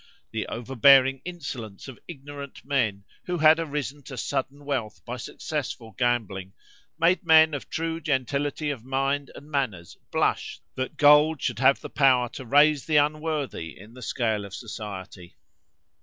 The over bearing insolence of ignorant men, who had arisen to sudden wealth by successful gambling, made men of true gentility of mind and manners blush that gold should have power to raise the unworthy in the scale of society.